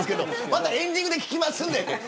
またエンディングで聞きますので。